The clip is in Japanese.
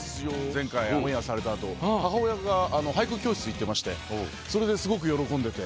前回オンエアされたあと母親が俳句教室行ってましてそれですごく喜んでて。